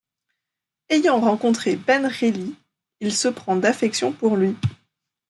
Ayant rencontré Ben Reilly, il se prend d'affection pour lui.